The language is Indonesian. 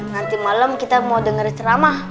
nanti malam kita mau denger ceramah